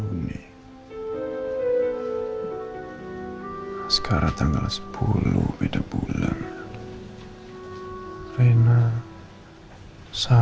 pertanyaan idéa mereka